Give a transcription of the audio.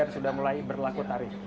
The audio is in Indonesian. dan sudah mulai berlaku tarif